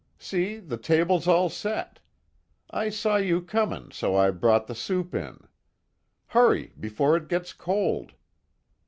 See, the table's all set. I saw you coming so I brought the soup in. Hurry before it gets cold."